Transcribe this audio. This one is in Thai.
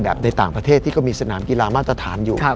ในต่างประเทศที่ก็มีสนามกีฬามาตรฐานอยู่